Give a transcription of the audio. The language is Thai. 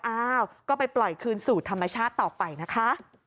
อ้าวก็ไปปล่อยคืนสู่ธรรมชาติต่อไปนะคะ